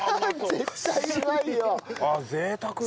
絶対うまい！